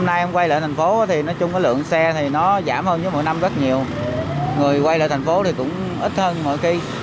người quay lại thành phố thì nói chung cái lượng xe thì nó giảm hơn như mỗi năm rất nhiều người quay lại thành phố thì cũng ít hơn mỗi khi